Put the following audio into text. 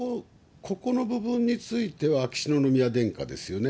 ここの部分については、秋篠宮殿下ですよね。